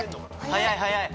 早い早い！